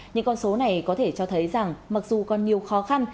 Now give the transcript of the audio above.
những con số này có thể cho thấy rằng mặc dù còn nhiều khó khăn